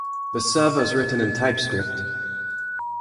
The server is written in TypeScript.